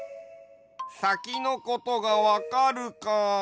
さきのことがわかるか。